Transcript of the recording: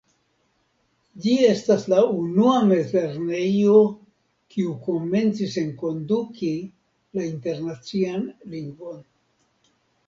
Ĝi estas la unua mezlernejo kiu komencis enkonduki la internacian lingvon.